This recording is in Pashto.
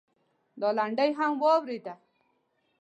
دا لنډۍ هم واورېده.